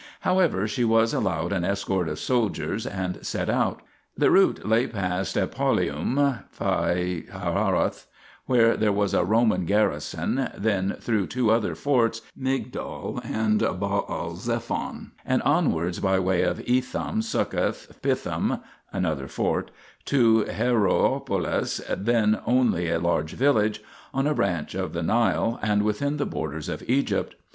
However, she was allowed an escort of soldiers, and set out. The route lay past Epauleum (Pi hahiroth), where there was a Roman garrison, then through two other forts, Migdol and Baal zephon, and onwards by way of Etham, Succoth, Pithom (another fort) to Heroopolis (then only a large village), on a branch of the Nile and within the borders of Egypt.